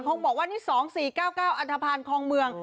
คงบอกว่านี่๒๔๙๙อันทภาณคลองเมือง